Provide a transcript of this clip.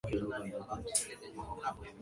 Msimu wa manyunyu hujulikana kama Oloirurujuruj